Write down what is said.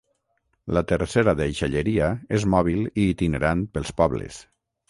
La tercera deixalleria és mòbil i itinerant pels pobles.